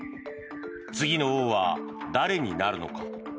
次の王は誰になるのか。